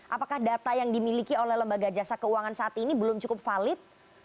apakah data yang dimiliki oleh lembaga jasa keuangan saat ini belum cukup valid